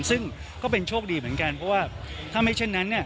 ซึ่งก็เป็นโชคดีเหมือนกันเพราะว่าถ้าไม่เช่นนั้น